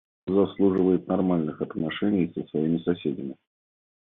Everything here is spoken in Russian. Он заслуживает нормальных отношений со своими соседями.